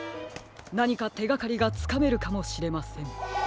なにかてがかりがつかめるかもしれません。